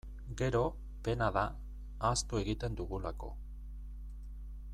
Gero, pena da, ahaztu egiten dugulako.